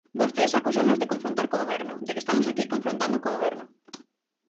Vostedes acúsannos de confrontar co Goberno, de que estamos aquí confrontando co Goberno.